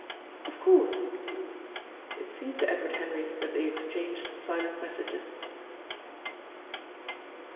"Of course." It seemed to Edward Henry that they exchanged silent messages.